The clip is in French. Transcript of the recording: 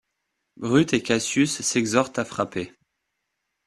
Brute et Cassius s'exhortent à frapper.